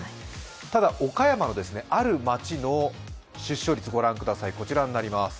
ただ岡山のある町の出生率ご覧ください、こちらです。